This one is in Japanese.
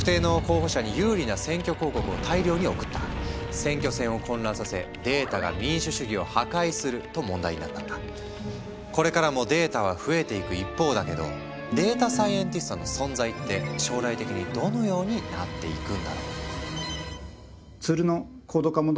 選挙戦を混乱させこれからもデータは増えていく一方だけどデータサイエンティストの存在って将来的にどのようになっていくんだろう？